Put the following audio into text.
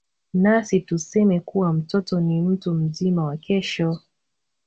Nasi tuseme kuwa mtoto ni mtu mzima wa Kesho.